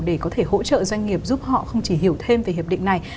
để có thể hỗ trợ doanh nghiệp giúp họ không chỉ hiểu thêm về hiệp định này